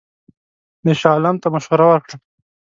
ده شاه عالم ته مشوره ورکړه.